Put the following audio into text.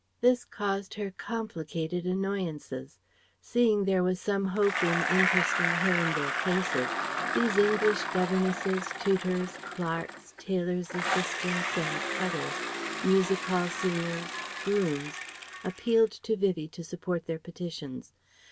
This caused her complicated annoyances. Seeing there was some hope in interesting her in their cases, these English governesses, tutors, clerks, tailors' assistants and cutters, music hall singers, grooms appealed to Vivie to support their petitions.